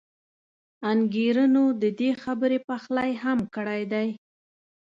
انګېرنو د دې خبرې پخلی هم کړی دی.